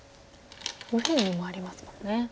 右辺にもありますもんね。